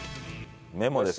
メモです。